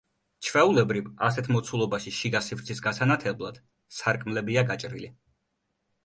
ჩვეულებრივ, ასეთ მოცულობაში შიგა სივრცის გასანათებლად სარკმლებია გაჭრილი.